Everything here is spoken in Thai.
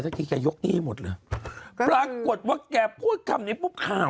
เมื่อกี้แกยกนี่หมดเลยปรากฏว่าแกพูดคำนี้ปุ๊บข่าว